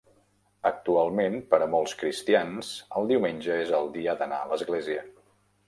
Actualment, per a molts cristians el diumenge és el dia d'anar a l'església.